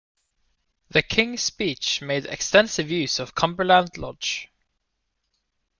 "The King's Speech" made extensive use of Cumberland Lodge.